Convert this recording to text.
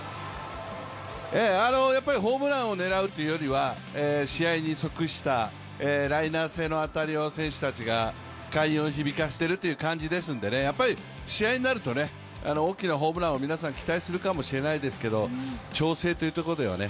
やっぱりホームランを狙うというよりは、試合に則したライナー性の当たりを選手たちが快音を響かせているという感じですので、やっぱり試合になると大きなホームランを期待するかもしれないですけど調整というところではね。